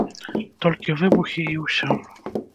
Толькі выбухі і ўсё.